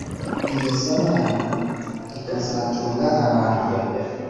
ireza abana, ikazatunga abantu.